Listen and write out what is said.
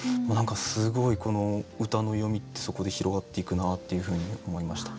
すごいこの歌の読みってそこで広がっていくなっていうふうに思いました。